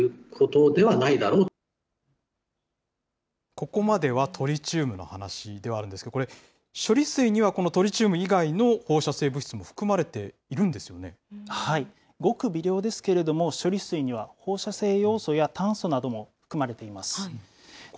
ここまではトリチウムの話ではあるんですけれども、これ、処理水にはこのトリチウム以外の放射性物質も含まれているんですごく微量ですけれども、処理水には放射性ヨウ素や炭素なども含まれています。